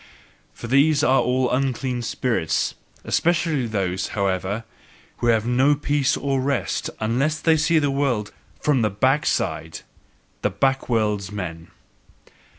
For these are all unclean spirits; especially those, however, who have no peace or rest, unless they see the world FROM THE BACKSIDE the backworldsmen!